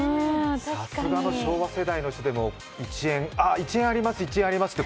さすがの昭和世代の人も、１円、ああ、１円あります、１円ありますって